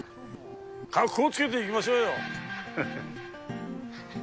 カッコつけていきましょうよ